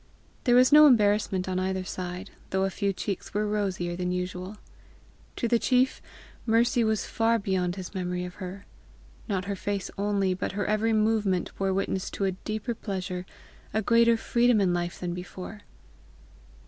There was no embarrassment on either side, though a few cheeks were rosier than usual. To the chief, Mercy was far beyond his memory of her. Not her face only, but her every movement bore witness to a deeper pleasure, a greater freedom in life than before.